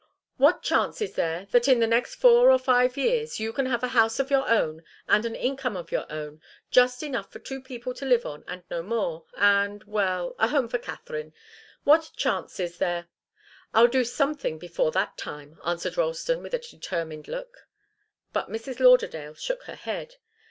What chance is there that in the next four or five years you can have a house of your own, and an income of your own just enough for two people to live on and no more and well a home for Katharine? What chance is there?" "I'll do something before that time," answered Ralston, with a determined look. But Mrs. Lauderdale shook her head.